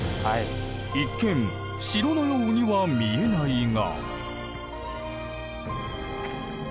一見城のようには見えないが。